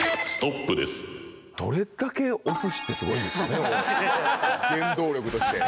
どれだけお寿司ってすごいん原動力として。